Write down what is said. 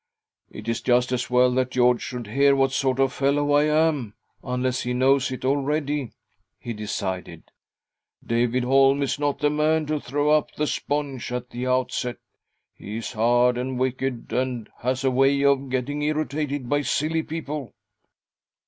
" It is just as well that George should hear what sort of fellow I am— unless he knows it already," he decided. " David Holm is not the man to throw up the sponge at the outset. He is hard and wicked, and has a way of getting irritated by silly people."